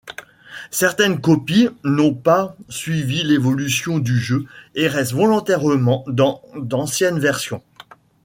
Certaines copies n'ont pas suivi l'évolution du jeu et restent volontairement dans d'anciennes versions.